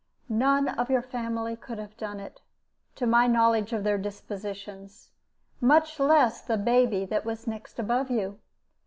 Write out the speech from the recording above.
None of your family could have done it, to my knowledge of their dispositions, much less the baby that was next above you.